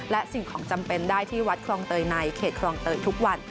และสิ่งของจำเป็นได้ที่วัดคลองเตยในเขตคลองเตยทุกวัน